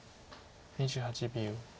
２８秒。